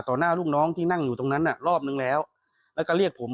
หน้าลูกน้องที่นั่งอยู่ตรงนั้นน่ะรอบนึงแล้วแล้วก็เรียกผม